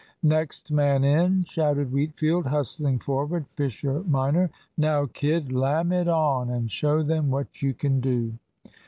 "Next man in," shouted Wheatfield, hustling forward Fisher minor. "Now, kid, lamm it on and show them what you can do."